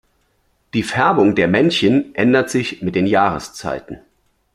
Die Färbung der Männchen ändert sich mit den Jahreszeiten.